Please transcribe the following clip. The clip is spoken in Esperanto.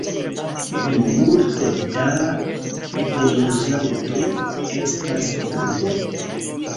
Plimulto da geloĝantoj estas kurdoj.